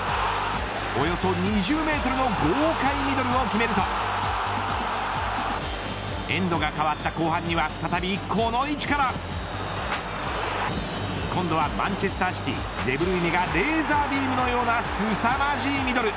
およそ２０メートルの豪快ミドルを決めるとエンドが変わった後半には再びこの位置から今度はマンチェスター・シティデブルイネがレーザービームのようなすさまじいミドル。